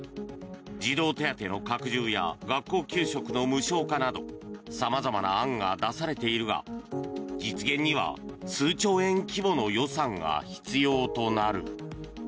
児童手当の拡充や学校給食の無償化など様々な案が出されているが実現には数兆円規模の予算が必要となる。